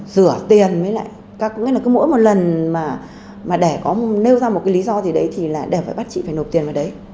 rửa tiền với lại mỗi lần để nêu ra một lý do thì phải bắt chị nộp tiền vào đấy